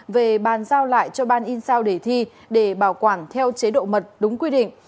về bàn giao lại cho ban in sao để thi để bảo quản theo chế độ mật đúng quy định